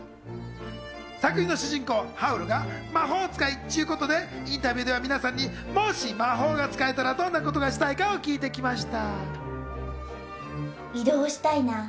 作品の主人公・ハウルが魔法使いっちゅうことで、インタビューでは皆さんにもし魔法が使えたらどんなことがしたいかを聞いてきました。